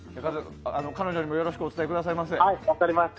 彼女にもよろしくお伝えください。